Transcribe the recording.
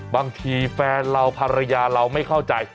บางทีแฟนเราภรรยาเราไม่เข้าใจ